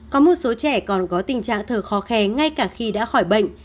có một số trẻ còn có tình trạng thở khó khe ngay cả khi đã khỏi bệnh